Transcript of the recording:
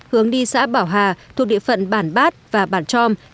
hướng đi xã bảo hà thuộc địa phận bản bát và bản trom